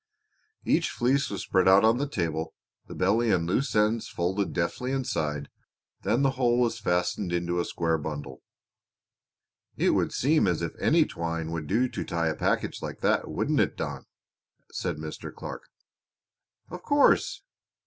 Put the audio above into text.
Each fleece was spread out on the table, the belly and loose ends folded deftly inside; then the whole was fastened into a square bundle. "It would seem as if any twine would do to tie a package like that, wouldn't it, Don?" said Mr. Clark. "Of course."